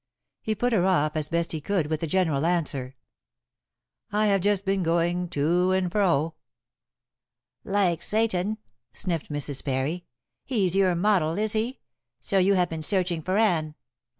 He put her off as he best could with a general answer. "I have just been going to and fro." "Like Satan," sniffed Mrs. Parry. "He's your model, is he? So you have been searching for Anne.